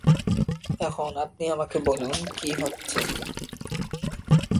এখন আপনি আমাকে বলুন, কী হচ্ছে?